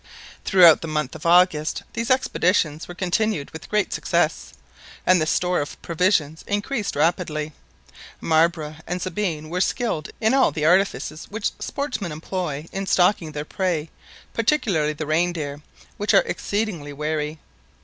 Throughout the month of August these expeditions were continued with great success, and the store of provisions increased rapidly. Marbre and Sabine were skilled in all the artifices which sportsmen employ in stalking their prey particularly the reindeer, which are exceedingly wary.